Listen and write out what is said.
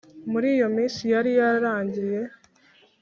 Muri iyo minsi yari yaragiye.